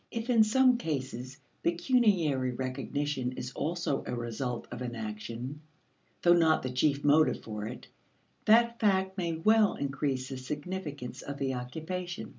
If in some cases, pecuniary recognition is also a result of an action, though not the chief motive for it, that fact may well increase the significance of the occupation.